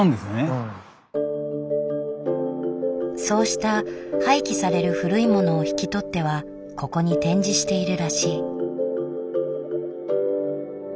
そうした廃棄される古いものを引き取ってはここに展示しているらしい。